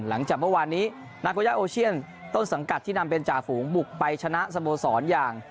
หลังจากเมื่อวานนี้นาโกย่าโอเชียนต้นสังกัดที่นำเป็นจ่าฝูงบุกไปชนะสโมสรอย่าง